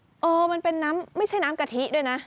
เออมันเป็นน้ำไม่ใช่น้ำกะทิด้วยนะ